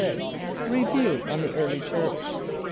Review on the Early Church.